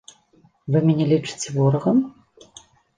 Вы мяне лічыце ворагам?